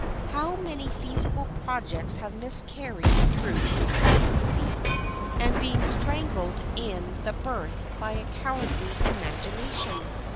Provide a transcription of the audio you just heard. How many feasible projects have miscarried through despondency, and been strangled in the birth by a cowardly imagination!